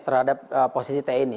terhadap posisi tni